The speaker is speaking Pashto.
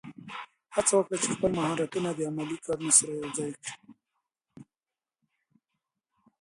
هڅه وکړه چې خپل مهارتونه د عملي کارونو سره یوځای کړې.